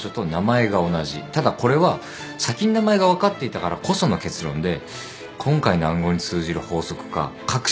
ただこれは先に名前が分かっていたからこその結論で今回の暗号に通じる法則か確信は持てません。